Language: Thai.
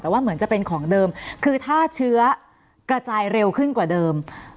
แต่ว่าเหมือนจะเป็นของเดิมคือถ้าเชื้อกระจายเร็วขึ้นกว่าเดิม